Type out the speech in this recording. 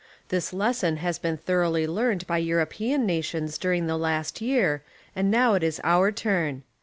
This lesson has been thoroughly learned by European nations during the last year, and now it is our turn.